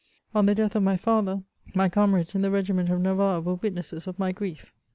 On the death of my father, my comrades in the regiment of Navarre were witnesses of my grief.